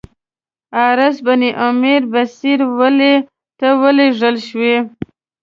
حارث بن عمیر بصري والي ته ولېږل شو.